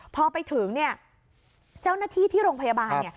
พอไปถึงเจ้าหน้าที่ที่โรงพยาบาล